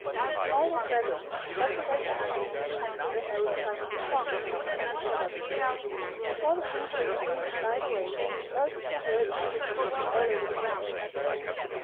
When all was ready, the butler raised his hand and sounded an old Chinese gong hanging in the cedar tree. Before the penetrating boom had died away, voices were heard in the distance from all over the grounds.